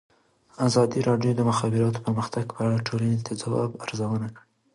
ازادي راډیو د د مخابراتو پرمختګ په اړه د ټولنې د ځواب ارزونه کړې.